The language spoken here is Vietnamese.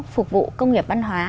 phục vụ công nghiệp văn hóa